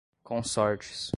consortes